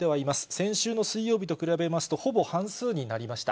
先週の水曜日と比べますと、ほぼ半数になりました。